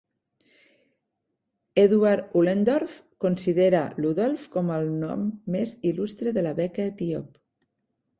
Edward Ullendorff considera Ludolf com "el nom més il·lustre de la beca etíop".